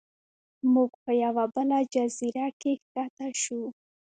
موږ په یوه بله جزیره کې ښکته شو.